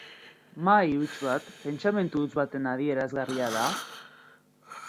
Mahai huts bat pentsamendu huts baten adierazgarria da?